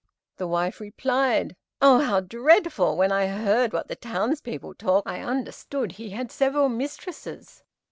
The wife replied, "Ah, how dreadful, when I heard what the townspeople talk, I understood that he has several mistresses.